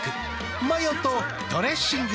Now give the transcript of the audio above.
マヨとドレッシングで。